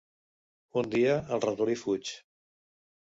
Un dia, el ratolí fuig.